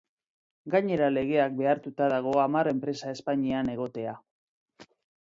Gainera legeak behartuta dago hamar enpresa Espainian egotea.